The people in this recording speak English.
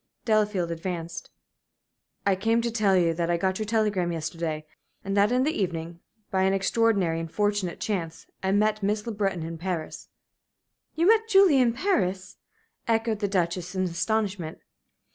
Delafield advanced. "I came to tell you that I got your telegram yesterday, and that in the evening, by an extraordinary and fortunate chance, I met Miss Le Breton in Paris " "You met Julie in Paris?" echoed the Duchess, in astonishment.